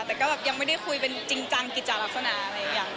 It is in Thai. แต่ก็แบบยังไม่ได้คุยเป็นจริงจังกิจจารักษณาอะไรอย่างนี้